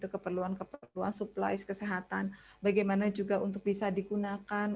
keperluan keperluan supplyce kesehatan bagaimana juga untuk bisa digunakan